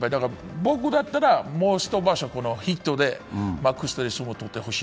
僕だったら、もう一場所、筆頭で幕下で相撲を取ってほしい。